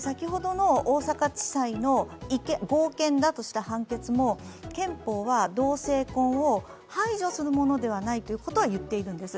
先ほどの大阪地裁の合憲だとした判決も、憲法は同性婚を排除するものではないとはいっているんです。